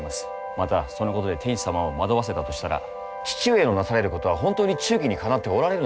また、そのことで天子様を惑わせたとしたら父上のなされることは本当に忠義にかなって分かった。